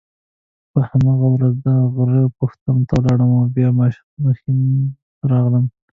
په هماغه ورځ د غره پوستو ته ولاړم او بیا ماپښین ښار ته راغلم.